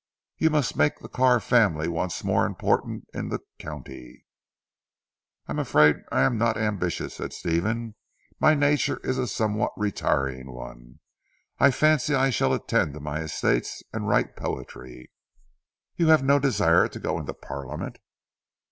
You must make the Carr family once more important in the county." "I am afraid I am not ambitious," said Stephen, "my nature is a somewhat retiring one, I fancy. I shall attend to my estates and write poetry." "You have no desire to go into parliament?"